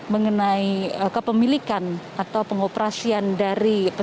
dengan peraturan dewan pengawas kpk nomor dua ccr dua ribu dua puluh